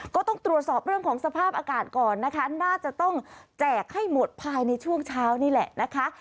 ก็ต้องตรวจสอบเรื่องของสภาพอากาศก่อนนะคะน่าจะต้องแจกให้หมดภายในช่วงเช้านี่แหละนะคะ